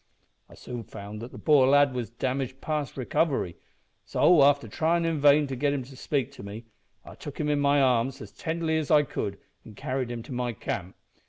"I soon found that the poor lad was damaged past recovery; so, after tryin' in vain to get him to speak to me, I took him in my arms as tenderly as I could and carried him to my camp.